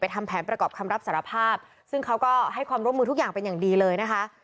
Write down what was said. ทำแผนประกอบคำรับสารภาพซึ่งเขาก็ให้ความร่วมมือทุกอย่างเป็นอย่างดีเลยนะคะ